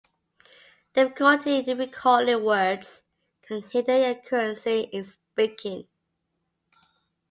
Difficulty in recalling words can hinder accuracy in speaking.